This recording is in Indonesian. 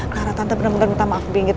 karena tante bener bener minta maaf